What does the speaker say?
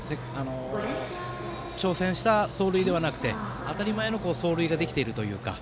挑戦した走塁ではなくて当たり前の走塁ができているという。